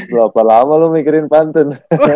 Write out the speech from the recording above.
berapa lama lo mikirin pantun